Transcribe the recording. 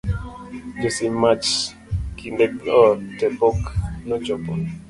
josim mach kinde go te pok nochopo